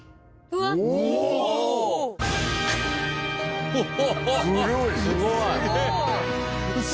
うわっ！